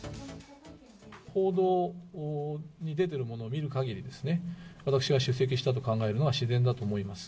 報道に出ているものを見るかぎりですね、私が出席したと考えるのが自然だと思います。